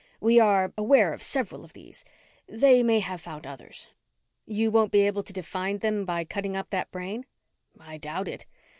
We are aware of several of these. They may have found others." "You won't be able to define them by cutting up that brain?" "I doubt it.